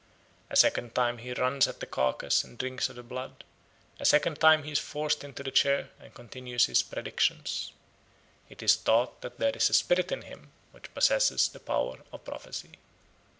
A second time he runs at the carcase and drinks of the blood; a second time he is forced into the chair and continues his predictions. It is thought that there is a spirit in him which possesses the power of prophecy.